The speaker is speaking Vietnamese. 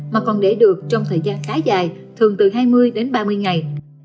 mà còn để được trong thời gian khá dài thường từ hai mươi đến ba mươi ngày